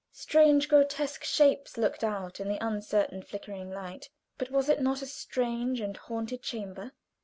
Strange, grotesque shapes loomed out in the uncertain, flickering light; but was it not a strange and haunted chamber?